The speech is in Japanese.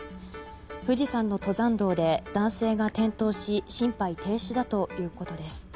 富士山の登山道で男性が転倒し心肺停止だということです。